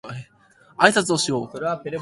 あいさつをしよう